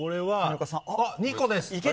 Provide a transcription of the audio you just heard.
２個です！